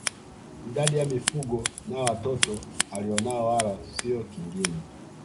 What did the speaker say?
Idadi ya mifugo na watoto alionao wala sio kingine